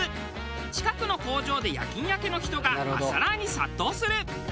近くの工場で夜勤明けの人が朝らーに殺到する。